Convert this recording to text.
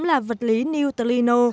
là vật lý neutrino